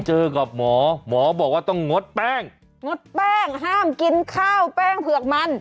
เจอกับหมอหมอบอกว่าต้องงดแป้งงดแป้งห้ามกินข้าวแป้งเผือกมัน